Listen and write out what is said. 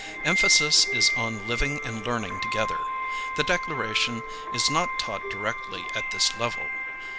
Kmphasis is on living and learning together. The Declaration is not taught directly at this level.